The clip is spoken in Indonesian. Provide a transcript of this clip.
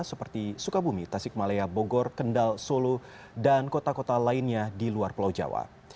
seperti sukabumi tasik malaya bogor kendal solo dan kota kota lainnya di luar pulau jawa